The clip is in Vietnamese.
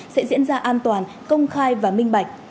sẽ diễn ra an toàn công khai và minh bạch